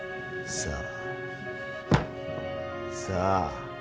さあ！